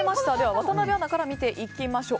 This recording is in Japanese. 渡辺アナから見ていきましょう。